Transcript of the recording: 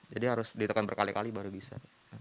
jadi harus ditekan berkali kali baru bisa